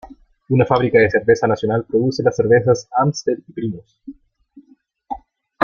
Una fábrica de cerveza nacional produce las cervezas Amstel y Primus.